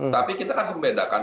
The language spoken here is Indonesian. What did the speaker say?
tapi kita harus membedakan